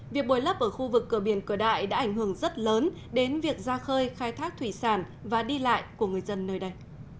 việc bồi lấp ở khu vực cửa biển cửa đại đã ảnh hưởng rất lớn đến việc ra khơi khai thác thủy sản và đi lại của người dân nơi đây